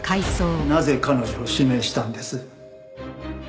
なぜ彼女を指名したんです？